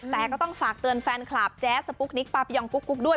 แต่ก็ต้องฝากเตือนแฟนคลับแจ๊สสปุ๊กนิกปั๊บยองกุ๊กด้วย